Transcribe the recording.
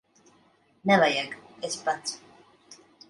Nevajag. Es pats.